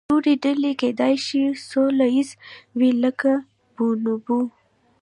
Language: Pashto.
نورې ډلې کیدای شي سوله ییزې وي، لکه بونوبو.